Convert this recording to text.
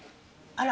あら！